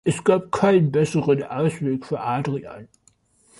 Es gab keinen besseren Ausweg für Adrian.